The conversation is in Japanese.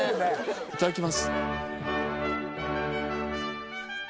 いただきます。